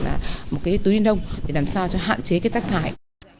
là một cái túi ni lông để làm sao cho hạn chế cái rác thải